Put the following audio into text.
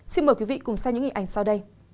xin mời quý vị cùng xem những hình ảnh sau đây